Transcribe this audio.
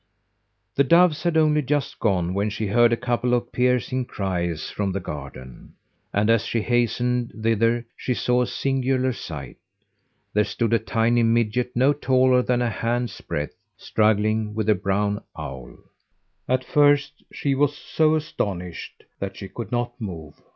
The doves had only just gone when she heard a couple of piercing cries from the garden, and as she hastened thither she saw a singular sight. There stood a tiny midget, no taller than a hand's breadth, struggling with a brown owl. At first she was so astonished that she could not move.